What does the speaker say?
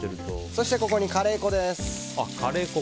そしてここにカレー粉です。